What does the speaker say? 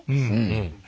うん。